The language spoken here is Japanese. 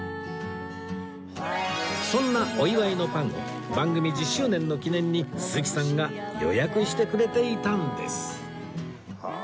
そんなお祝いのパンを番組１０周年の記念に鈴木さんが予約してくれていたんです